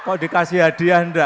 kok dikasih hadiah enggak